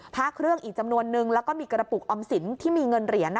พระเครื่องอีกจำนวนนึงแล้วก็มีกระปุกออมสินที่มีเงินเหรียญ